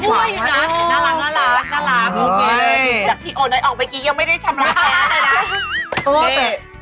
นี่จากที่โอนัคออกไปกินเดียวยังไม่ได้ชำระแท้นะ